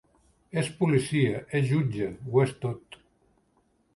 És policia, és jutge, ho és tot.